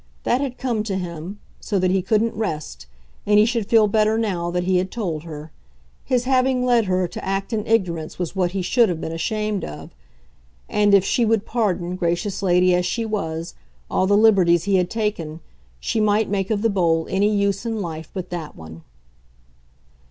That had come to him so that he couldn't rest, and he should feel better now that he had told her. His having led her to act in ignorance was what he should have been ashamed of; and, if she would pardon, gracious lady as she was, all the liberties he had taken, she might make of the bowl any use in life but that one.